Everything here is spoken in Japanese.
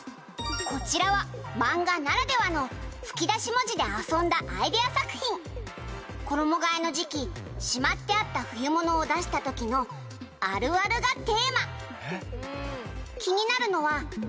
「こちらは漫画ならではの吹き出し文字で遊んだアイデア作品」「衣替えの時期しまってあった冬物を出した時のあるあるがテーマ」「気になるのは３コマ目の“あ”ですよね」